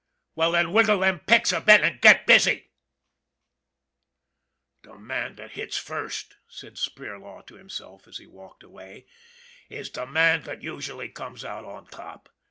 Well then, wiggle them picks a bit an' get busy !"" The man that hits first," said Spirlaw to himself, as he walked away, " is the man that usually comes out on top.